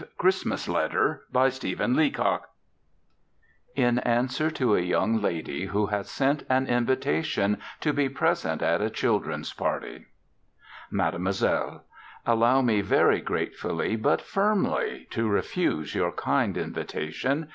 A Christmas Letter (In answer to a young lady who has sent an invitation to be present at a children's party) Mademoiselle, Allow me very gratefully but firmly to refuse your kind invitation.